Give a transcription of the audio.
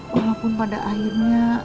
walaupun pada akhirnya